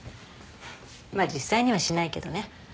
まあ実際にはしないけどね。